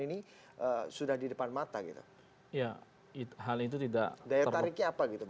apakah kepolisian ini sudah di depan mata